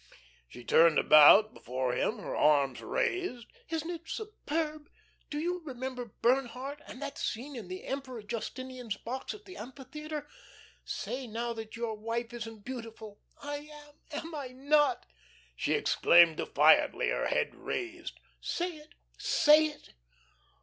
She turned about before him, her arms raised. "Isn't it superb? Do you remember Bernhardt and that scene in the Emperor Justinian's box at the amphitheatre? Say now that your wife isn't beautiful. I am, am I not?" she exclaimed defiantly, her head raised. "Say it, say it."